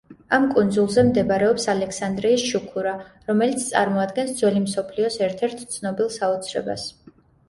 ამ კუნძულზე მდებარეობს ალექსანდრიის შუქურა, რომელიც წარმოადგენს ძველი მსოფლიოს ერთ–ერთ ცნობილ საოცრებას.